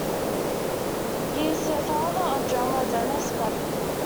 He is the father of drummer Dennis Bradford.